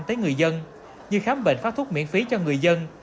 tới người dân như khám bệnh phát thuốc miễn phí cho người dân